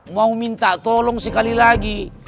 mau minta tolong sekali lagi